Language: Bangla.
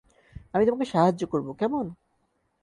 আমি তোমাকে সাহায্য করবো, কেমন?